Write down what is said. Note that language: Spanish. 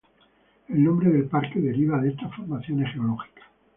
El nombre del parque deriva de estas formaciones geológicas.